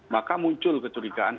maka muncul kecurigaan